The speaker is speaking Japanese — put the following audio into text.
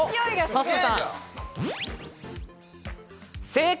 正解！